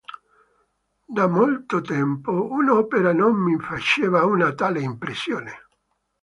Da molto tempo un'opera non mi faceva una tale impressione.